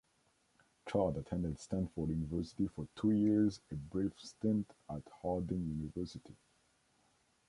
Chad attended Stanford University for two years a brief stint at Harding University.